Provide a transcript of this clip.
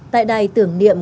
tại đài tưởng niệm